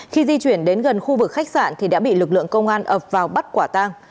khi di chuyển đến gần khu vực khách sạn thì đã bị lực lượng công an ập vào bắt quả tang